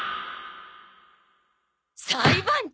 裁判長！